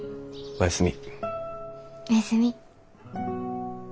おやすみ。